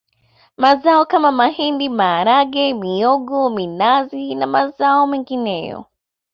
Mazao kama mahindi maharage mihogo minazi na mazao mengineyoâŠ